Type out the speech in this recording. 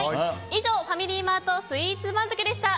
以上、ファミリーマートスイーツ番付でした。